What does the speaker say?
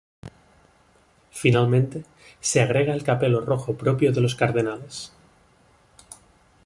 Finalmente, se agrega el capelo rojo propio de los cardenales.